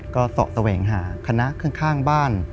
ก็เสาะแสวงหาคณะข้างบ้าน